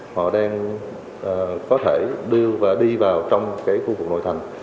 họ đang có thể đi vào trong cái khu vực nội thành